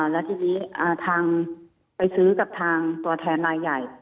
แล้วทีนี้ทางไปซื้อกับทางตัวแทนรายใหญ่